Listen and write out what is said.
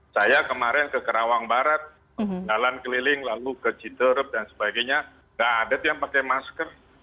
saya kemarin ke kerawang barat jalan keliling lalu ke citerup dan sebagainya nggak ada yang pakai masker